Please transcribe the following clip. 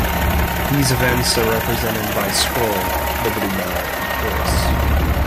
These events are represented by the scroll, Liberty Bell, and quills.